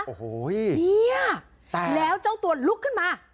โอ้โหเนี่ยตายแล้วเจ้าตัวลุกขึ้นมา